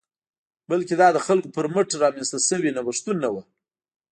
بلکې دا د خلکو پر مټ رامنځته شوي نوښتونه وو